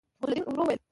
غوث الدين ورو وويل.